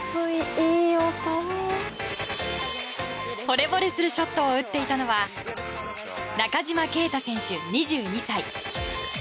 ほれぼれするショットを打っていたのは中島啓太選手、２２歳。